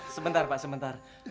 sebentar pak sebentar